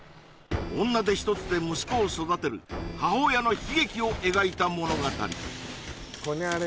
女手ひとつで息子を育てる母親の悲劇を描いた物語